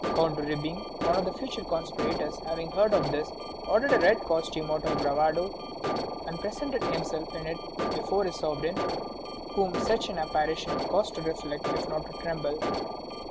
Count de Ribbing, one of the future conspirators, having heard of this, ordered a red costume out of bravado, and presented himself in it before his sovereign, whom such an apparition caused to reflect if not to tremble.